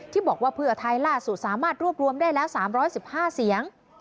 บอกว่าเพื่อไทยล่าสุดสามารถรวบรวมได้แล้ว๓๑๕เสียง